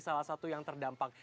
salah satu yang terdampak